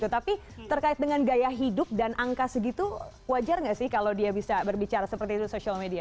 tapi terkait dengan gaya hidup dan angka segitu wajar nggak sih kalau dia bisa berbicara seperti itu social media